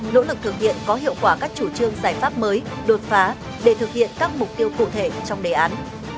nỗ lực thực hiện có hiệu quả các chủ trương giải pháp mới đột phá để thực hiện các mục tiêu cụ thể trong đề án